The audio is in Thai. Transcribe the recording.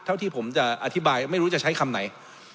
เท่าที่ผมจะอธิบายไม่รู้จะใช้คำไหน